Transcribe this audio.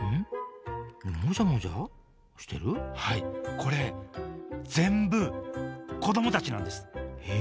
これ全部子どもたちなんですえ！